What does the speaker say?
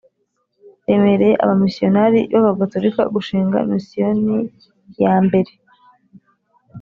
remereye abamisiyonari b Abagatolika gushinga misiyoni ya mbere